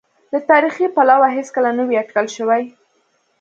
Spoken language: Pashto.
له تاریخي پلوه هېڅکله نه وې اټکل شوې.